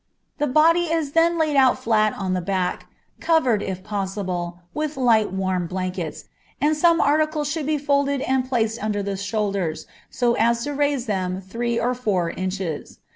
The body is then laid out flat on the back, covered, if possible, with light warm blankets, and some article should be folded and placed under the shoulders, so as to raise them three or four inches.